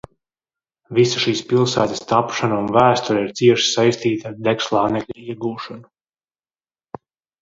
Visa šīs pilsētas tapšana un vēsture ir cieši saistīta ar degslānekļa iegūšanu.